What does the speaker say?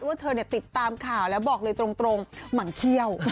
ว่าเธอเนี่ยติดตามข่าวแล้วบอกเลยตรงมันเคี่ยว